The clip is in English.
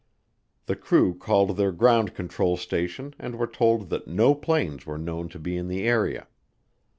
The crew called their ground control station and were told that no planes were known to be in the area.